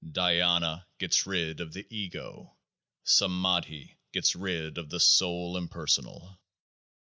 Dhyana gets rid of the Ego. Samadhi gets rid of the Soul Impersonal.